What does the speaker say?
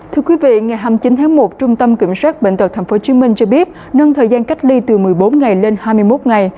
thưa quý vị ngày hai mươi chín tháng một trung tâm kiểm soát bệnh tật tp hcm cho biết nâng thời gian cách ly từ một mươi bốn ngày lên hai mươi một ngày